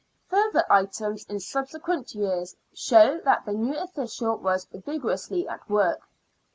Further items in subsequent years show that the new official was vigorously at work.